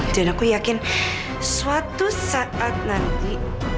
dan aku yakin suatu saat nanti